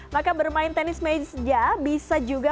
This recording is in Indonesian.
maka bermain tenis meja bisa juga